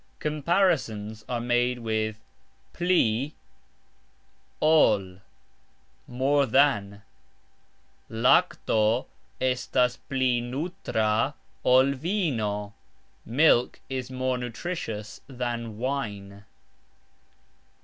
Comparisons are made with "pli...ol", more than: "Lakto estas pli nutra ol vino", Milk is more nutritious than wine.